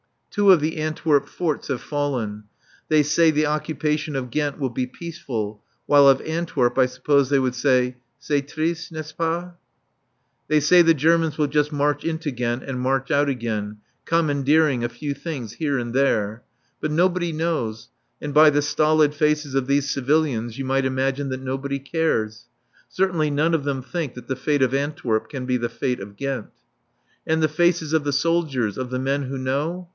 Two of the Antwerp forts have fallen. They say the occupation of Ghent will be peaceful; while of Antwerp I suppose they would say, "C'est triste, n'est ce pas?" They say the Germans will just march into Ghent and march out again, commandeering a few things here and there. But nobody knows, and by the stolid faces of these civilians you might imagine that nobody cares. Certainly none of them think that the fate of Antwerp can be the fate of Ghent. And the faces of the soldiers, of the men who know?